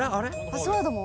パスワードも？